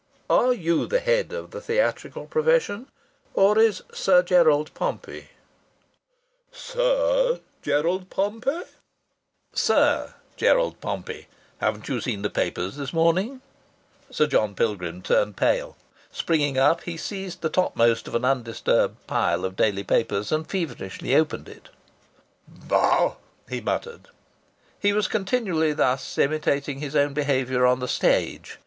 Are you the head of the theatrical profession, or is Sir Gerald Pompey?" "Sir Gerald Pompey?" "Sir Gerald Pompey. Haven't you seen the papers this morning?" Sir John Pilgrim turned pale. Springing up, he seized the topmost of an undisturbed pile of daily papers, and feverishly opened it. "Bah!" he muttered. He was continually thus imitating his own behaviour on the stage.